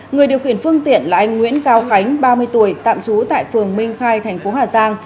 người điều khiển phương tiện là anh nguyễn cao khánh ba mươi tuổi tạm trú tại phường minh khai thành phố hà giang